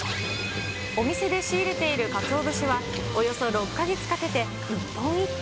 お店で仕入れているかつお節は、およそ６か月かけて一本一本